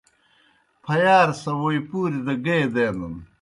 پھیارہ سہ ووئی پُوریْ دہ گیئے دینَن۔